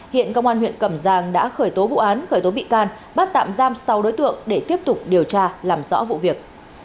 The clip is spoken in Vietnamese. hiện công an huyện cẩm giang đã khởi tố vụ án khởi tố bị can bắt tạm giam sáu đối tượng để tiếp tục điều tra làm rõ vụ việc